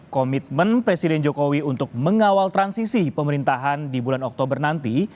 komitmen presiden jokowi untuk mengawal transisi pemerintahan di bulan oktober nanti